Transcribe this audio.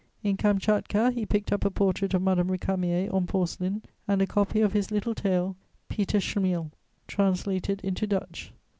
In Kamchatka he picked up a portrait of Madame Récamier on porcelain and a copy of his little tale, Peter Schlemihl, translated into Dutch.